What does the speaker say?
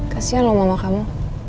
kasian loh mama kamu